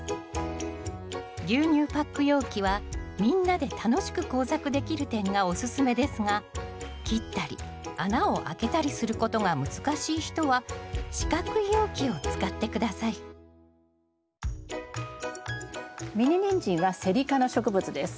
牛乳パック容器はみんなで楽しく工作できる点がおすすめですが切ったり穴をあけたりすることが難しい人は四角い容器を使って下さいミニニンジンはセリ科の植物です。